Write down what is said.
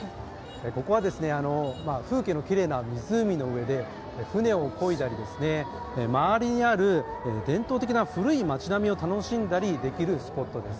ここは風景のきれいな湖の上で、船をこいだり、周りにある伝統的な古い町並みを楽しんだりできるスポットです。